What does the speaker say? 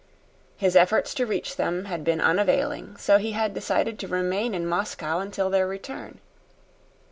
His efforts to reach them had been unavailing, so he had decided to remain in Moscow until their return.